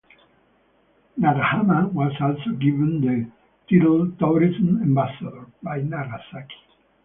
Nagahama was also given the title "tourism ambassador" by Nagasaki.